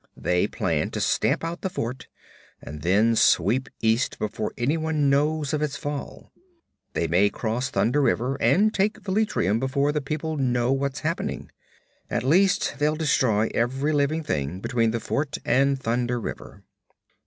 They plan to stamp out the fort, and then sweep east before anyone knows of its fall. They may cross Thunder River and take Velitrium before the people know what's happened. At least they'll destroy every living thing between the fort and Thunder River.